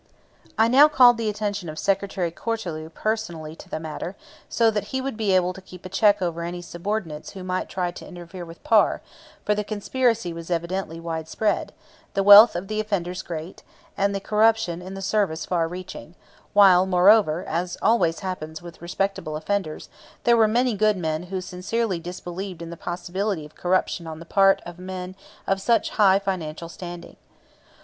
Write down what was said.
I now called the attention of Secretary Cortelyou personally to the matter, so that he would be able to keep a check over any subordinates who might try to interfere with Parr, for the conspiracy was evidently widespread, the wealth of the offenders great, and the corruption in the service far reaching while moreover as always happens with "respectable" offenders, there were many good men who sincerely disbelieved in the possibility of corruption on the part of men of such high financial standing.